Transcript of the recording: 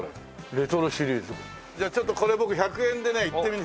「レトロシリーズ」じゃあちょっとこれ僕１００円でねいってみる。